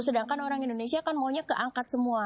sedangkan orang indonesia kan maunya keangkat semua